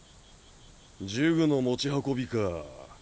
呪具の持ち運びかぁ。